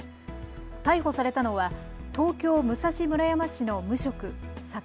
逮捕されたのは東京武蔵村山市の無職、坂蓋